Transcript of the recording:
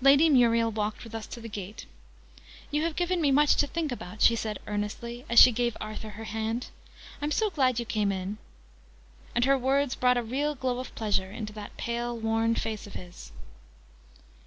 Lady Muriel walked with us to the gate. "You have given me much to think about," she said earnestly, as she gave Arthur her hand. "I'm so glad you came in!" And her words brought a real glow of pleasure into that pale worn face of his.